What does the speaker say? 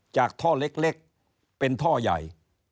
จากท่อเล็กเป็นท่อใหญ่